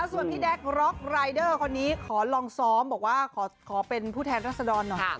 ส่วนพี่แด๊กร็อกรายเดอร์คนนี้ขอลองซ้อมบอกว่าขอเป็นผู้แทนรัศดรหน่อย